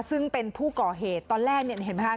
ซึ่งเป็นผู้ก่อเหตุตอนแรกเนี่ยเห็นไหมคะ